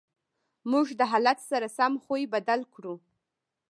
موږ د حالت سره سم خوی بدل کړو.